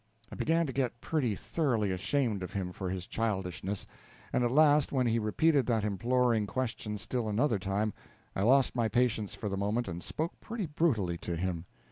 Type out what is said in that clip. I began to get pretty thoroughly ashamed of him for his childishness; and at last, when he repeated that imploring question still another time, I lost my patience for the moment, and spoke pretty brutally to him.